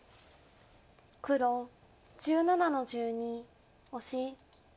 黒１７の十二オシ。